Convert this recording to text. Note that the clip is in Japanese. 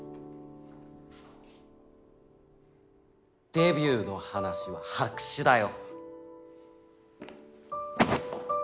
デビューの話は白紙だよ。